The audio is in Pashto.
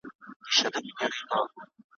په ژوندوني سو کمزوری لکه مړی `